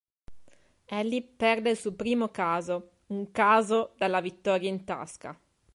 Ally perde il suo primo caso, un caso dalla vittoria in tasca.